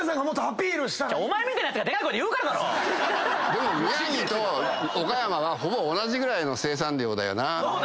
でも宮城と岡山はほぼ同じぐらいの生産量だよな。